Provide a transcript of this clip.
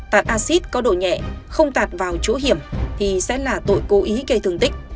tạt acid có độ nhẹ không tạt vào chỗ hiểm thì sẽ là tội cố ý gây thương tích